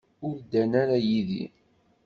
Ur ddan ara yid-i.